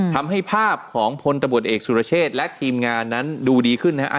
ทำให้ภาพของพลตำรวจเอกสุรเชษและทีมงานนั้นดูดีขึ้นนะฮะ